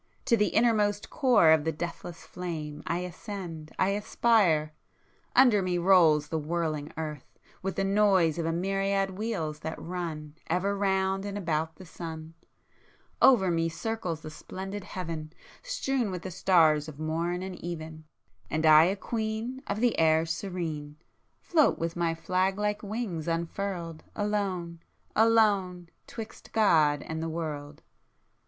To the innermost core of the deathless flame I ascend,—I aspire! Under me rolls the whirling Earth With the noise of a myriad wheels that run Ever round and about the sun,— Over me circles the splendid heaven Strewn with the stars of morn and even, And I a queen Of the air serene, Float with my flag like wings unfurled, Alone—alone—'twixt God and the world!